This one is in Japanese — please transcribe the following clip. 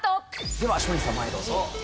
では松陰寺さん前へどうぞ。